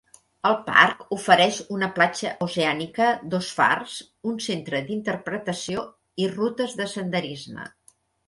El parc ofereix una platja oceànica, dos fars, un centre d'interpretació i rutes de senderisme.